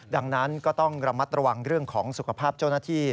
ดังนั้นก็ต้องระมัดระวังเรื่องของสุขภาพเจ้าหน้าที่